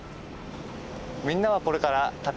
みんなはこれからえっ！？